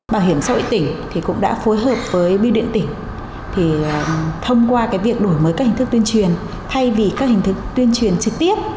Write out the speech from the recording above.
bảo hiểm xã hội tỉnh cũng đã phối hợp với biêu điện tỉnh thông qua việc đổi mới các hình thức tuyên truyền thay vì các hình thức tuyên truyền trực tiếp